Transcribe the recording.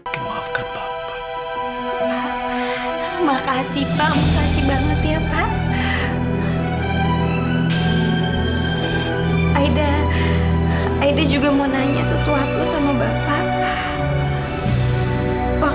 terima kasih pak